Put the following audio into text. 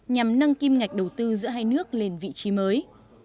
nhằm nâng kim ngạch đầu tư giữa hai nước lên vị trí mới